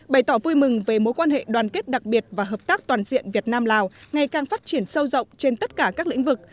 bày tỏ vui mừng về mối quan hệ đoàn kết đặc biệt và hợp tác toàn diện việt nam lào ngày càng phát triển sâu rộng trên tất cả các lĩnh vực